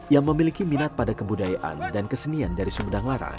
yang memiliki minat pada kebudayaan dan kesenian dari sumedang larang